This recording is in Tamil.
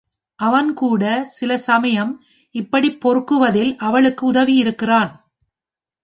அவன் கூடச் சில சமயம் இப்படிப் பொறுக்குவதில் அவளுக்கு உதவியிருக்கிறான்.